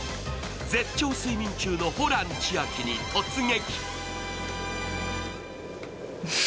絶頂睡眠中のホラン千秋に突撃。